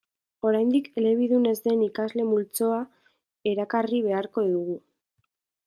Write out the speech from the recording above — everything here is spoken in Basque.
Oraindik elebidun ez den irakasle multzoa erakarri beharko dugu.